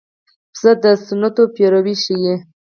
پسه د سنتو پیروي ښيي.